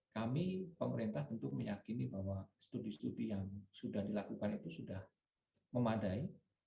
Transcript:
kami pemerintah tentu meyakini bahwa studi studi yang sudah dilakukan itu sudah memadai